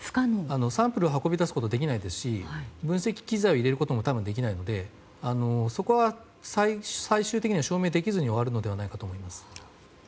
サンプルを運び出すことはできないですし分析機材を入れることは多分できないのでそこは、最終的には証明できずに終わるのではないかと思います。